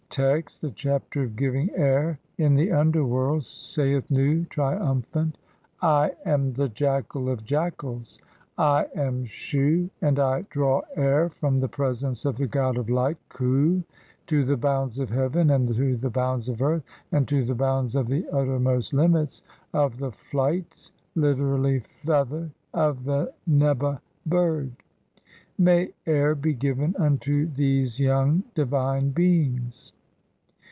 I. Bl. 67). Text : (1) The Chapter of giving air in the under world. Saith Nu, triumphant :— (2) "I am the Jackal of jackals, I am Shu, and [I] draw air from "the presence of the god of Light (Khu) to the bounds of heaven, "and to the bounds of (3) earth, and to the bounds of the utter "most limits of the flight (literally feather) of the Nebeh bird. "May air be given unto these young divine beings."